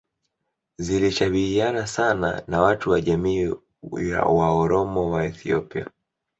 zilishabihiana sana na watu wa jamii ya Waoromo wa Ethiopia